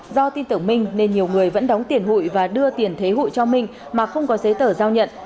do tin tưởng minh nên nhiều người vẫn đóng tiền hụi và đưa tiền thế hụi cho minh mà không có giấy tờ giao nhận